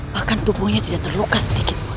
bahkan tubuhnya tidak terluka sedikit